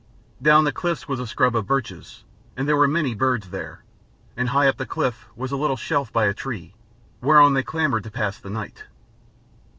Down the cliffs was a scrub of birches and there were many birds there. And high up the cliff was a little shelf by a tree, whereon they clambered to pass the night.